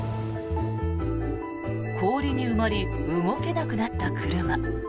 氷に埋まり、動けなくなった車。